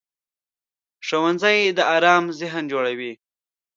ښوونځی د ارام ذهن جوړوي